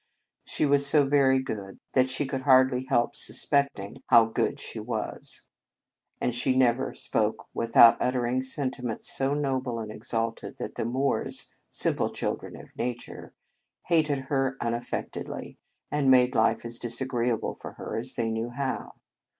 She was so very good that she could hardly help suspecting how good 53 In Our Convent Days she was 5 and she never spoke with out uttering sentiments so noble and exalted that the Moors simple children of nature hated her unaf fectedly, and made life as disagree able for her as they knew how.